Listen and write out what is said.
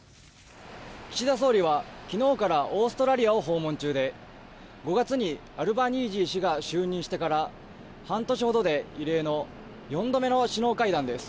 岸田総理は昨日からオーストラリアを訪問中で５月にアルバニージー氏が就任してから半年ほどで異例の４度目の首脳会談です。